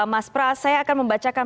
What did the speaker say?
mas pras saya akan membacakan